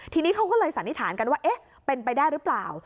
ทีนี้เขาก็เลยสันนิษฐานกันว่าเอ๊ะเป็นไปได้หรือเปล่า